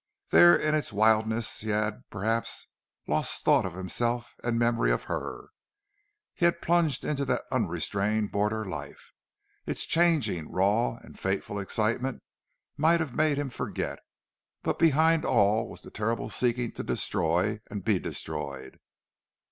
There in its wildness he had, perhaps, lost thought of himself and memory of her. He had plunged into the unrestrained border life. Its changing, raw, and fateful excitement might have made him forget, but behind all was the terrible seeking to destroy and be destroyed.